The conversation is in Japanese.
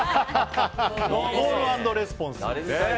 コール＆レスポンス。